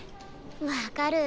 分かる。